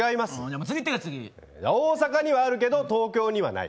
「Ｍ−１」にはあるけど「Ｒ−１」にはない。